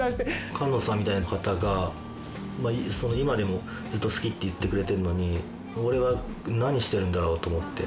菅野さんみたいな方が今でもずっと好きって言ってくれてるのに俺は何してるんだろうと思って。